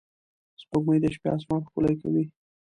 سپوږمۍ د شپې آسمان ښکلی کوي